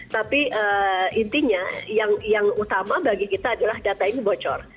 tapi intinya yang utama bagi kita adalah data ini bocor